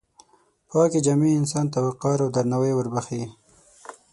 پاکې جامې انسان ته وقار او درناوی وربښي.